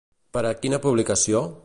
Per a quina publicació?